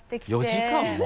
４時間も？